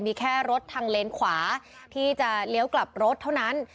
มีแค่รถทางเลนขวาที่จะเลี้ยวกลับรถเท่านั้น